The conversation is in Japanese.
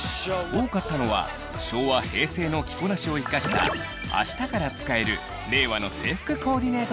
多かったのは昭和・平成の着こなしを生かしたあしたから使える令和の制服コーディネート術。